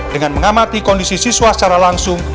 dengan mengamati kondisi siswa secara langsung